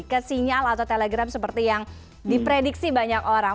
ke sinyal atau telegram seperti yang diprediksi banyak orang